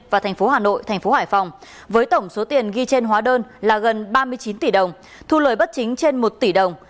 và thành phố hà nội thành phố hải phòng với tổng số tiền ghi trên hóa đơn là gần ba mươi chín tỷ đồng thu lời bất chính trên một tỷ đồng